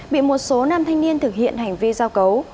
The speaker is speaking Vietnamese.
bị một số nam thanh niên thực hiện hành vi giao cấu